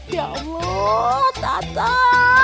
ya allah tatang